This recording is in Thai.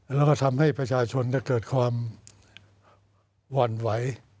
แล้วก็ทำให้ประชาชนเกิดความหวั่นไหว